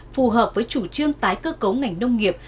phù hợp với chủ trương tái cơ cấu ngành nông nghiệp